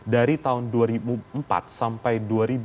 dari tahun dua ribu empat sampai dua ribu dua puluh dua